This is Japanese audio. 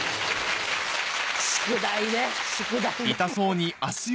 宿題ね宿題ねもう。